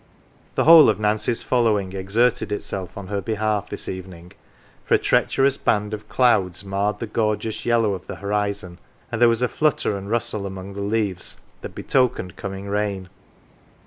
The whole of Nancy's following exerted itself on her behalf this evening, for a treacherous band of clouds marred the gorgeous yellow of the horizon, and there was a flutter and rustle among the leaves that be tokened coming rain.